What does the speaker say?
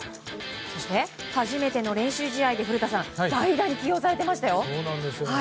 そして、初めての練習試合で古田さん代打に起用されていましたよ。